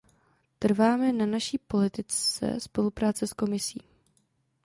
Trváme na naší politice spolupráce s Komisí.